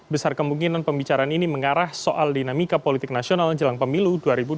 besar kemungkinan pembicaraan ini mengarah soal dinamika politik nasional jelang pemilu dua ribu dua puluh